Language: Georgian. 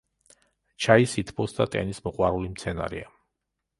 ჩაი სითბოს და ტენის მოყვარული მცენარეა.